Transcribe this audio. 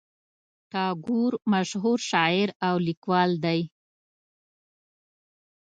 ټاګور مشهور شاعر او لیکوال دی.